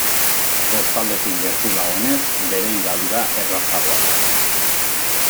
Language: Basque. Kostaldetik gertu dagoenez, bere higadura errazagoa da.